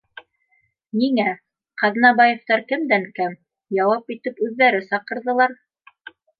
Ниңә, Ҡаҙнабаевтар кемдән кәм, яуап итеп үҙҙәре саҡырҙылар